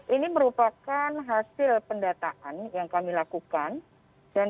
ini merupakan hasil pendataan yang kami lakukan